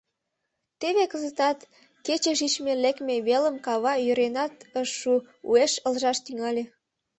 Теве кызытат кече шичме-лекме велым кава йӧренат ыш шу, уэш ылыжаш тӱҥале.